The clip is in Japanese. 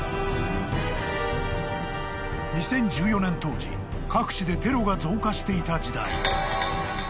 ［２０１４年当時各地でテロが増加していた時代］